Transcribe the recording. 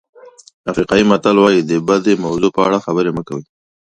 افریقایي متل وایي د بدې موضوع په اړه خبرې مه کوئ.